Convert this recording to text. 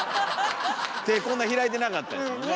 手こんな開いてなかったですもんね。